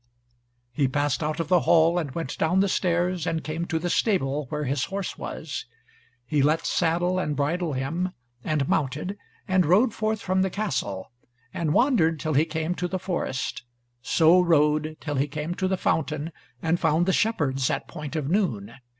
He passed out of the hall, and went down the stairs, and came to the stable where his horse was. He let saddle and bridle him, and mounted, and rode forth from the castle, and wandered till he came to the forest, so rode till he came to the fountain and found the shepherds at point of noon.